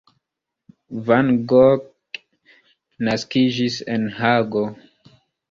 Van Gogh naskiĝis en Hago.